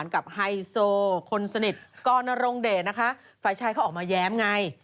ไฮโซคนสนิทกรนรงเดชนะคะฝ่ายชายเขาออกมาแย้มไง